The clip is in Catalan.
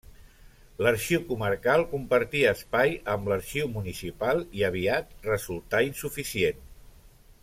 L'Arxiu Comarcal compartia espai amb l'Arxiu Municipal i aviat resultà insuficient.